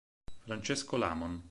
Francesco Lamon